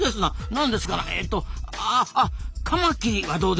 何ですかなえとああカマキリはどうです？